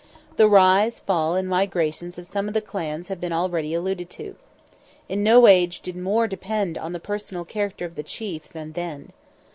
The rise, fall, and migrations of some of the clans have been already alluded to. In no age did more depend on the personal character of the chief than then.